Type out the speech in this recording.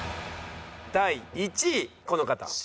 第１位この方。